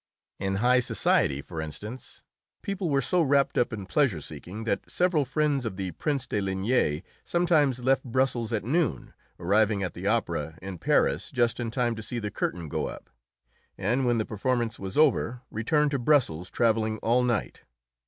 In high society, for instance, people were so wrapped up in pleasure seeking that several friends of the Prince de Ligne sometimes left Brussels at noon, arriving at the opera in Paris just in time to see the curtain go up, and when the performance was over returned to Brussels, travelling all night.